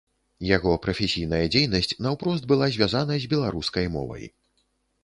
Яго прафесійная дзейнасць наўпрост была звязана з беларускай мовай.